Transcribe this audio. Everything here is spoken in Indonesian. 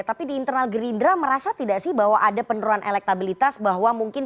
tapi di internal gerindra merasa tidak sih bahwa ada penurunan elektabilitas bahwa mungkin